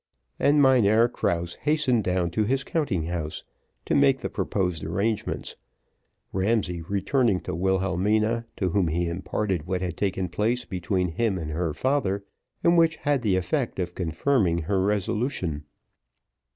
And Mynheer Krause hastened down to his counting house, to make the proposed arrangements, Ramsay returning to Wilhelmina, to whom he imparted what had taken place between him and her father, and which had the effect of conforming her resolution.